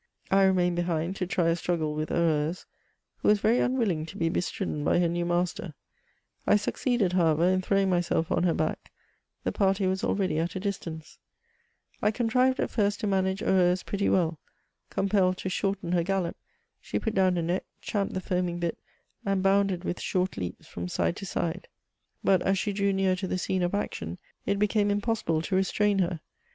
I remained behind to try a struggle with Heureuse, who was very unwilling to be bestridden by her new master ; I succeeded, however, in throwing myself on her back ; the party was already at a distance^ I contrived at first to manage Heureute pretty well ; com pelled to shorten her gallop, she put down her neck, champed the foaming bit, and bounded with short leaps from side to 174 MEMOIRS OP side ; but, as she drew near to the scene of action, it became impossible to restrain her.